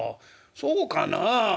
「そうかなあ。